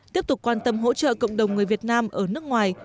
tiếp tục quan tâm hỗ trợ cộng đồng người việt nam ở nước ngoài